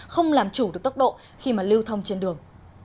không làm chủ được tốc độ khi mà lưu thông trên đường